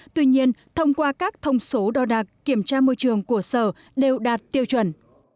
tuy nhiên thông qua các thông số đo đạc kiểm tra môi trường của sở đều đạt tiêu chuẩn